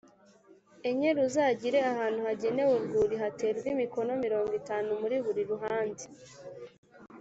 enye ruzagire ahantu hagenewe urwuri haterwe imikono mirongo itanu muri buri ruhande